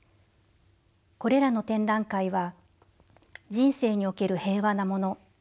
「これらの展覧会は人生における平和なもの。